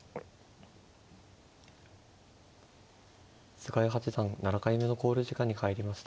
菅井八段７回目の考慮時間に入りました。